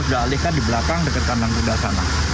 tapi kita sudah alihkan di belakang dekat kandang kandang sana